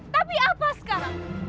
tapi apa sekarang